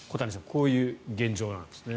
こういう現状なんですね。